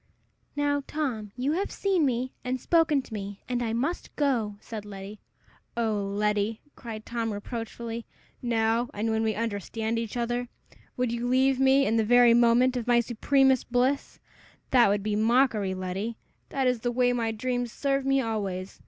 "Now, Tom, you have seen me, and spoken to me, and I must go," said Letty. "O Letty!" cried Tom, reproachfully, "now when we understand each other? Would you leave me in the very moment of my supremest bliss? That would be mockery, Letty! That is the way my dreams serve me always.